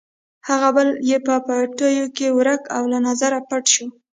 هغه بل یې په پټیو کې ورک او له نظره پټ شو.